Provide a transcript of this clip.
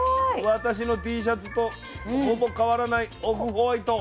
私のＴシャツとほぼ変わらないオフホワイト。